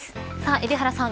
海老原さん